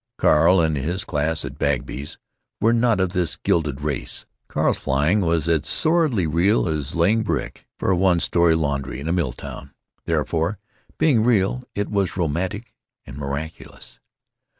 Carl and his class at Bagby's were not of this gilded race. Carl's flying was as sordidly real as laying brick for a one story laundry in a mill town. Therefore, being real, it was romantic and miraculous.